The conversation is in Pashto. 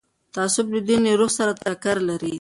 تعصب د دین له روح سره ټکر لري